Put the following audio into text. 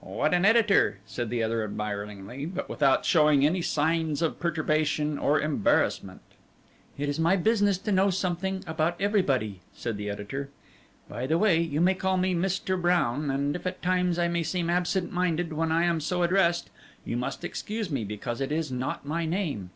"What an editor!" said the other admiringly, but without showing any signs of perturbation or embarrassment. "It is my business to know something about everybody," said the editor. "By the way, you may call me Mr. Brown, and if at times I may seem absent minded when I am so addressed you must excuse me, because it is not my name.